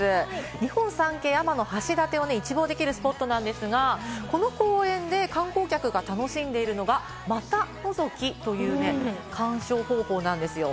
日本三景、天橋立を一望できるスポットなんですが、この公園で観光客が楽しんでいるのが、股のぞきという鑑賞方法なんです。